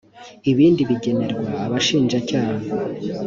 ibindi begenerwa abashinja cyaha.